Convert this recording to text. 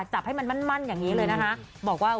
จับให้มันมั่นอย่างนี้เลยนะคะ